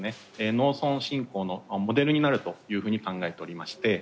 農村振興のモデルになるというふうに考えておりまして。